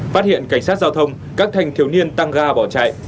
phát hiện cảnh sát giao thông các thanh thiếu niên tăng ga bỏ chạy